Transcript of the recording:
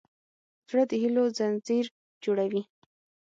زړه د هيلو ځنځیر جوړوي.